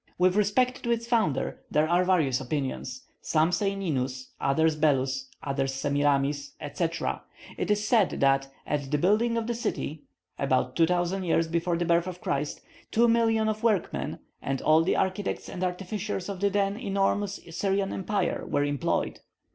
With respect to its founder there are various opinions. Some say Ninus, others Belus, others Semiramis, etc. It is said that, at the building of the city (about 2,000 years before the birth of Christ), two million of workmen, and all the architects and artificers of the then enormous Syrian empire, were employed.